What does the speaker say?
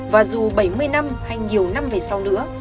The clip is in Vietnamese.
và dù bảy mươi năm hay nhiều năm về sau nữa